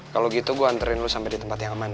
kalau gitu gue anterin lo sampe di tempat yang aman ya